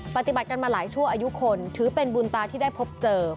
ปฏิบัติกันมาหลายชั่วอายุคนถือเป็นบุญตาที่ได้พบเจอ